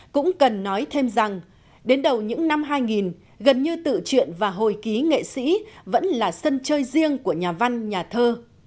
cũng cần nói thêm rằng đến đầu những năm hai nghìn gần như tự truyện và hồi ký nghệ sĩ vẫn là sân chơi riêng của nhà văn nhà thơ